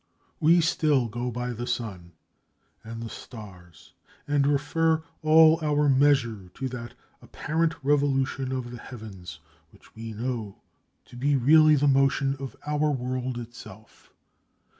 We still go by the sun and the stars and refer all our measure to that apparent revolution of the heavens which we know to be really the motion of our world itself.